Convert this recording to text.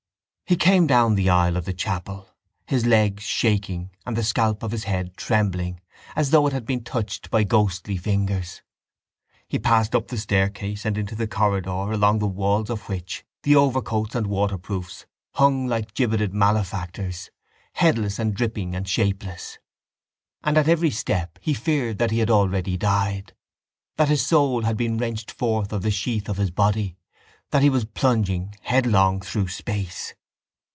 _ He came down the aisle of the chapel, his legs shaking and the scalp of his head trembling as though it had been touched by ghostly fingers. He passed up the staircase and into the corridor along the walls of which the overcoats and waterproofs hung like gibbeted malefactors, headless and dripping and shapeless. And at every step he feared that he had already died, that his soul had been wrenched forth of the sheath of his body, that he was plunging headlong through space.